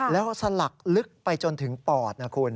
แล้วสลักลึกไปจนถึงปอดนะคุณ